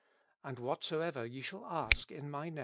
And WHATSOEVER YE SHALL ASK in my Na?